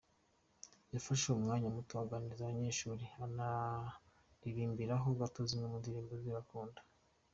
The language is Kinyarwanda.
yafashe umwanya muto aganiriza abanyeshuri anabaririmbiraho gato zimwe mu ndirimbo ze bakunda .